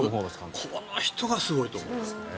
この人がすごいと思う。